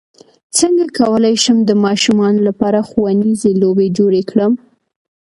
څنګه کولی شم د ماشومانو لپاره ښوونیزې لوبې جوړې کړم